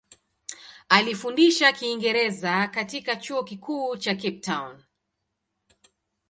Alifundisha Kiingereza katika Chuo Kikuu cha Cape Town.